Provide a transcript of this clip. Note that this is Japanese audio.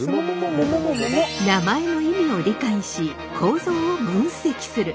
名前の意味を理解し構造を分析する。